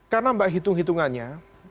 karena mbak hitung hitungannya